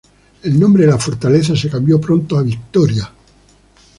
El nombre de la fortaleza se cambió pronto a Victoria.